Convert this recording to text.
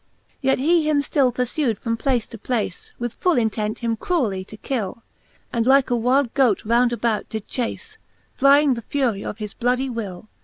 XLIX. Yet he him ftifl purfewd from place to place, With full intent him cruelly to kill, And like a wilde goate round about did chacCy Flying the fury of his bloudy will.